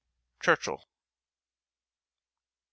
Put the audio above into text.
Churchill.